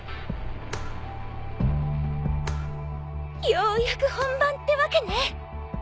ようやく本番ってわけね。